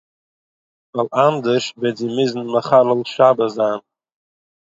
ווייל אַנדערש וועט זי מוזן מחלל שבת זיין